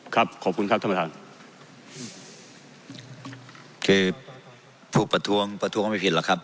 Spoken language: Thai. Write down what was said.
ครับขอบคุณครับท่านประธานคือผู้ประท้วงประท้วงก็ไม่ผิดหรอกครับ